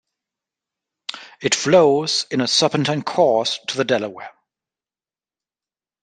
It flows in a serpentine course to the Delaware.